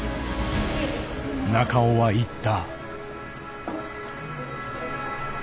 中尾は言った。